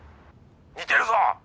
似てるぞ！